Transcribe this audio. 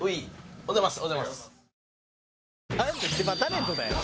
おはようございます。